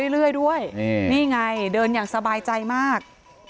เรื่อยด้วยนี่ไงเดินอย่างสบายใจมาก